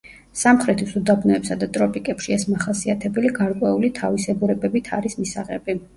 სამხრეთის უდაბნოებსა და ტროპიკებში ეს მახასიათებელი გარკვეული თავისებურებებით არის მისაღები.